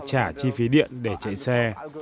chỉ cần trả tiền là chi phí điện để chạy xe